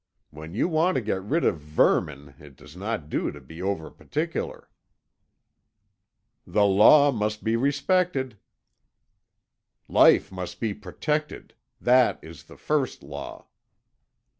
When you want to get rid of vermin it does not do to be over particular." "The law must be respected." "Life must be protected. That is the first law."